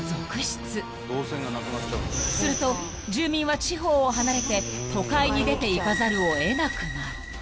［すると住民は地方を離れて都会に出ていかざるを得なくなる］